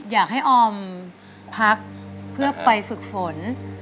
อยากให้ออมพักเพื่อไปฝึกฝน